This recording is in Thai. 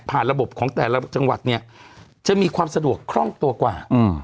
ระบบของแต่ละจังหวัดเนี่ยจะมีความสะดวกคล่องตัวกว่า